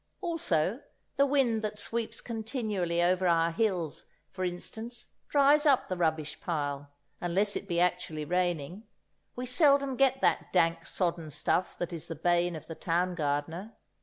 Also, the wind that sweeps continually over our hills, for instance, dries up the rubbish pile—unless it be actually raining; we seldom get that dank sodden stuff that is the bane of the town gardener.